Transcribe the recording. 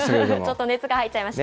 ちょっと熱が入っちゃいました。